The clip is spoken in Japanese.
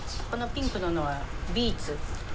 このピンクのはビーツ。